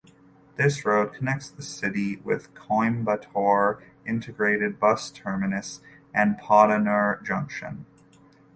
This road connects the city with Coimbatore Integrated Bus Terminus and Podanur Junction.